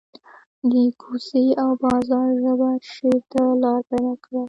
د کوڅې او بازار ژبه شعر ته لار پیدا کړه